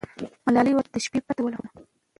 ملالۍ ورته د شپې پته ښووله.